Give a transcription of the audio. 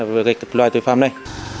với các loại tội phạm này